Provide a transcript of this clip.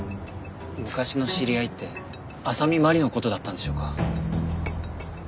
昔の知り合いって浅見麻里の事だったんでしょうか。